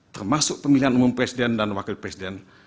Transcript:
termasuk pemilihan umum presiden dan wakil presiden